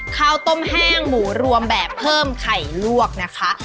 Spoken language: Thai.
ข้าวต้มแห้งหมูรวมแบบเพิ่มไข่ลวกนะคะ